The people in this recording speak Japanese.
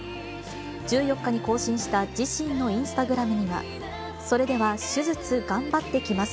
１４日に更新した自身のインスタグラムには、それでは手術頑張ってきます。